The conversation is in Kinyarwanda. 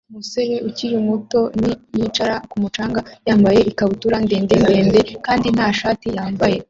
Umusore ukiri muto ni yicaye kumu canga yambaye ikabutura ndende ndende kandi nta shati yambaye